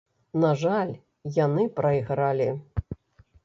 На жаль, яны прайгралі.